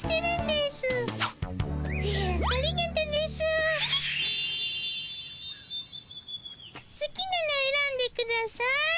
すきなのえらんでください。